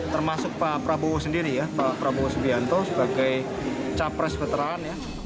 termasuk pak prabowo sendiri ya pak prabowo subianto sebagai capres veteran ya